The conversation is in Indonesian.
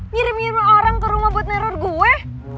ngirim ngirim orang ke rumah buat neror gue